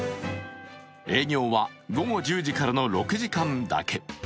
営業は午後１０時からの６時間だけ。